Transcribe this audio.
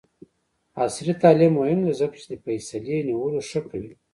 عصري تعلیم مهم دی ځکه چې د فیصلې نیولو ښه کوي.